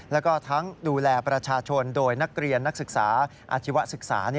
แล้วก็ทั้งดูแลประชาชนโดยนักเรียนนักศึกษาอาชีวศึกษา